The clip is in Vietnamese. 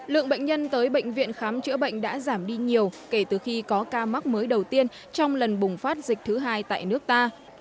lượng bệnh nhân tới bệnh viện khám chữa bệnh đã giảm đi nhiều kể từ khi có ca mắc mới đầu tiên trong lần bùng phát dịch thứ hai tại nước ta